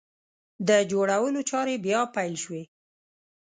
د جوړولو چارې بیا پیل شوې!